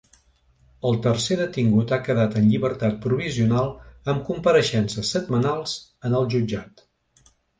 El tercer detingut ha quedat en llibertat provisional amb compareixences setmanals en el jutjat.